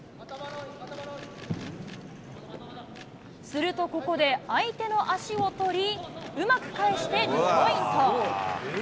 するとここで相手の足を取り、うまく返してポイント。